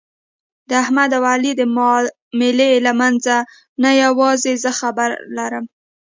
د احمد او علي د معاملې له منځ نه یووازې زه خبر لرم.